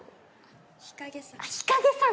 日蔭さん。